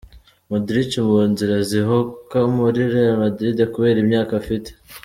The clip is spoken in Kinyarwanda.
Modric mu nzira zihoka muri Real Madrid kubera imyaka afite.